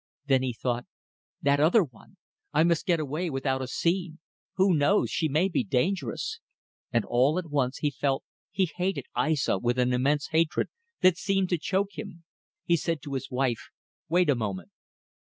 Then he thought: That other one. I must get away without a scene. Who knows; she may be dangerous! ... And all at once he felt he hated Aissa with an immense hatred that seemed to choke him. He said to his wife "Wait a moment."